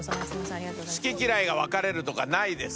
好き嫌いが分かれるとかないです。